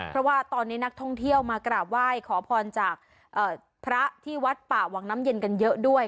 เพราะว่าตอนนี้นักท่องเที่ยวมากราบไหว้ขอพรจากพระที่วัดป่าวังน้ำเย็นกันเยอะด้วย